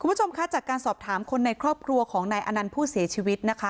คุณผู้ชมคะจากการสอบถามคนในครอบครัวของนายอนันต์ผู้เสียชีวิตนะคะ